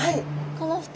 この２人？